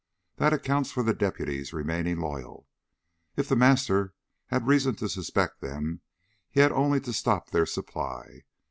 That accounts for the deputies remaining loyal. If The Master had reason to suspect them, he had only to stop their supply....